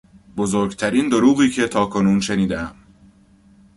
بزرگترین دروغی که تاکنون شنیدهام